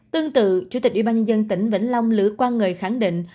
tương tự chủ tịch ủy ban nhân dân tỉnh vĩnh long lữ quang người khẳng định